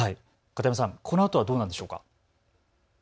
片山さん、このあとはどうなんでしょうか。